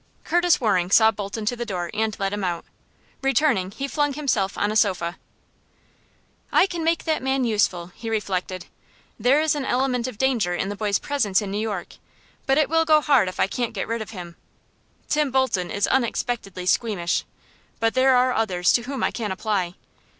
Curtis Waring saw Bolton to the door, and let him out. Returning, he flung himself on a sofa. "I can make that man useful!" he reflected. "There is an element of danger in the boy's presence in New York; but it will go hard if I can't get rid of him! Tim Bolton is unexpectedly squeamish, but there are others to whom I can apply.